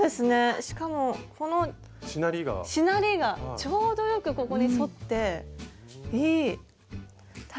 しかもこのしなりがちょうどよくここに沿っていい！